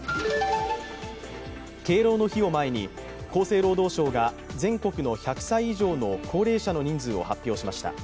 敬老の日を前に厚生労働省が全国の１００歳以上の高齢者の人数を発表しました。